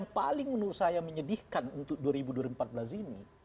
yang saya menyedihkan untuk dua ribu empat belas ini